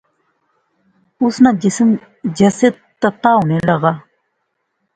اس ناں جسم جثہ تتا ہونے لاغآ